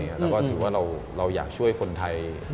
แล้วก็ถือว่าเราอยากช่วยคนไทย